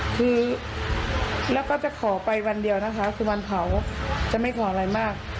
คือแล้วก็จะขอไปวันเดียวนะคะคือวันเผาจะไม่ขออะไรมาก